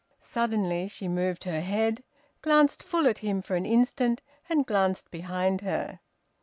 Suddenly she moved her head, glanced full at him for an instant, and glanced behind her.